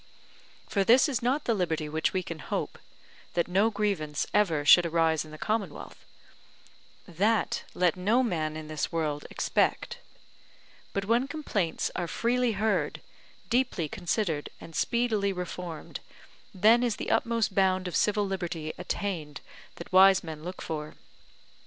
For this is not the liberty which we can hope, that no grievance ever should arise in the Commonwealth that let no man in this world expect; but when complaints are freely heard, deeply considered and speedily reformed, then is the utmost bound of civil liberty attained that wise men look for.